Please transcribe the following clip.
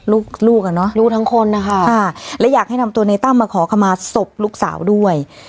ลูกลูกอ่ะเนอะลูกทั้งคนนะคะค่ะและอยากให้นำตัวในตั้มมาขอขมาศพลูกสาวด้วย